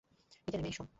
নিচে নেমে আসো!